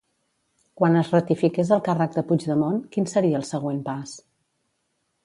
Quan es ratifiqués el càrrec de Puigdemont, quin seria el següent pas?